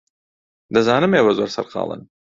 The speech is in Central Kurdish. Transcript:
دەزانم ئێوە زۆر سەرقاڵن.